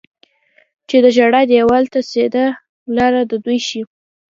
چې د ژړا دېوال ته سیده لاره د دوی شي.